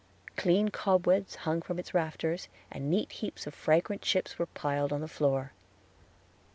Clean cobwebs hung from its rafters, and neat heaps of fragrant chips were piled on the floor.